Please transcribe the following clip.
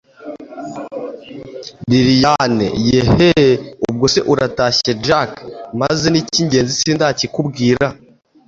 lilian yeeeeh! ubwo se uratashye jack, maze nicyigenzi sindakikubwira